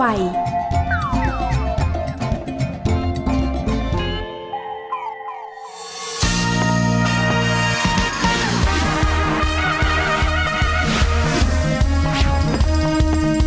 แอร์โหลดแล้วคุณล่ะโหลดแล้ว